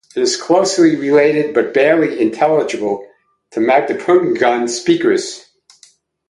It is closely related but barely intelligible to Mapudungun speakers.